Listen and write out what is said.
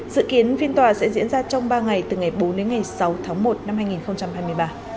dự kiến phiên tòa sẽ diễn ra trong ba ngày từ ngày bốn đến ngày sáu tháng một năm hai nghìn hai mươi ba